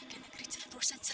kena cari dulu nenek ya